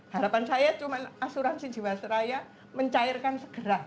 harapan saya cuma asuransi jiwa seraya mencairkan segera